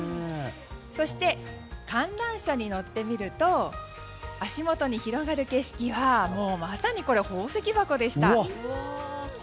そして観覧車に乗ってみると足元に広がる景色はまさに宝石箱でした。